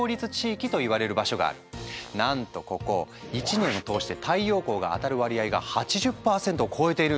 なんとここ１年を通して太陽光が当たる割合が８０％を超えているんだ。